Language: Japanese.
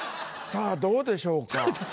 さぁどうでしょうか？